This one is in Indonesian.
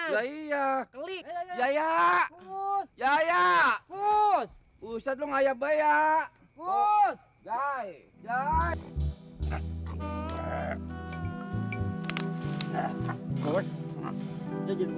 ya iya klik yaya yaya usah lu ngayak ngayak